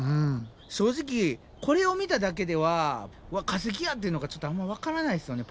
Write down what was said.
正直これを見ただけでは「わっ化石や！」っていうのがちょっとあんま分からないですよね